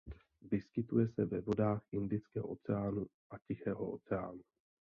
Vyskytuje se ve vodách Indického oceánu a Tichého oceánu.